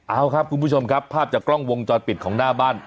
เอาครับคุณผู้ชมครับภาพจากกล้องวงจรปิดของหน้าบ้าน